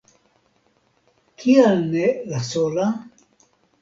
Kial ne la sola?